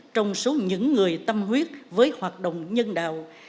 trong số những người tâm huyết với hoạt động nhân đạo